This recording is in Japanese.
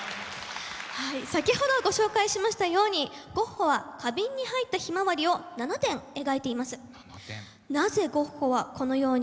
先ほどご紹介しましたようにゴッホは花瓶に入った「ヒマワリ」を７点描いています。